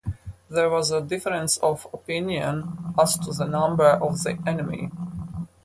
There was a difference of opinion as to the number of the enemy.